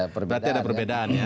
pasti ada perbedaannya